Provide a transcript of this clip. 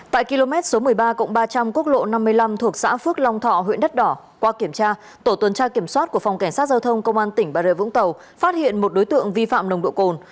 tại km số một mươi ba ba trăm linh quốc lộ năm mươi năm thuộc xã phước long thọ huyện đất đỏ qua kiểm tra tổ tuần tra kiểm soát của phòng cảnh sát giao thông công an tỉnh bà rịa vũng tàu phát hiện một đối tượng vi phạm nồng độ cồn